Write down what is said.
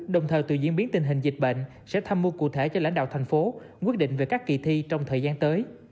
đồng thời từ diễn biến tình hình dịch bệnh sẽ tham mưu cụ thể cho lãnh đạo thành phố quyết định về các kỳ thi trong thời gian tới